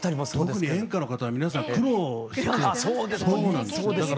特に演歌の方は皆さん苦労されてそうなんですよ。